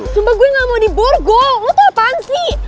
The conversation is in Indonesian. sumpah gue nggak mau di borgo lo tuh apaan sih